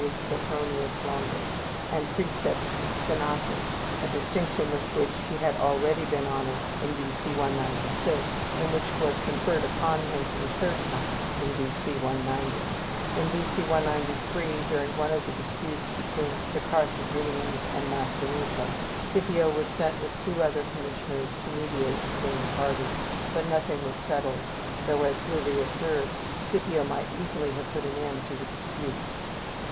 Sempronius Longus, and princeps senatus, a distinction with which he had already been honored in B.C. 196, and which was conferred upon him for the third time in B.C. 190. In B.C. 193, during one of the disputes between the Carthaginians and Massinissa, Scipio was sent with two other commissioners to mediate between the parties; but nothing was settled, though, as Livy observes, Scipio might easily have put an end to the disputes.